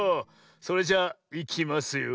それじゃあいきますよ。